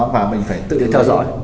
và mình phải tự theo dõi